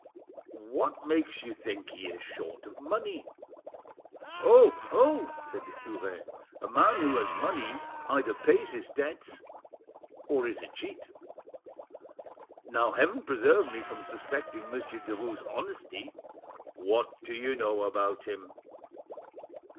What makes you think he is short of money?" "Oh! oh!" said the cure, "a man who has money either pays his debts, or is a cheat. Now Heaven preserve me from suspecting Monsieur Derues' honesty!" "What do you know about him?"